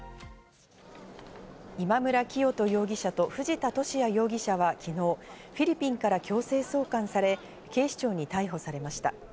今村磨人容疑者と藤田聖也容疑者は昨日、フィリピンから強制送還され、警視庁に逮捕されました。